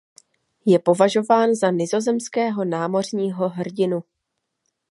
Je považován za nizozemského námořního hrdinu.